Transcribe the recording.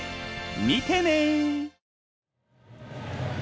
見てね！